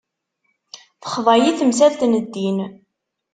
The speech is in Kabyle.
Texḍa-yi temsalt n ddin.